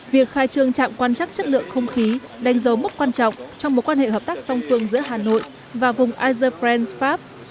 việc khai trương trạm quan chắc chất lượng không khí đánh dấu mức quan trọng trong một quan hệ hợp tác song tương giữa hà nội và vùng iserfren pháp